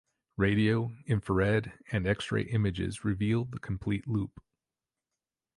Radio, infrared, and X-ray images reveal the complete loop.